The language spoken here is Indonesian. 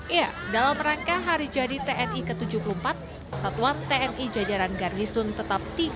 ya dalam rangka hari jadi tni ke tujuh puluh empat satuan tni jajaran garnisun tetap tiga